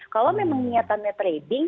kalau memang niatannya trading